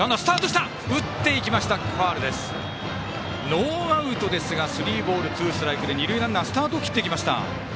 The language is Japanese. ノーアウトですがスリーボール、ツーストライクで二塁ランナースタート切っていきました。